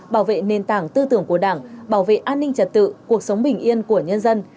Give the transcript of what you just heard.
bảo vệ nền tảng tư tưởng của đảng bảo vệ an ninh trật tự cuộc sống bình yên của nhân dân